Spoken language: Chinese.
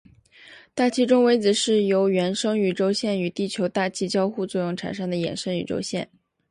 大气中微子是由原生宇宙线与地球大气交互作用产生的衍生宇宙线。